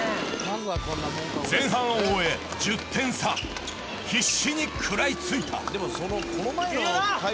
前半を終え１０点差必死に食らいついたいけるよな！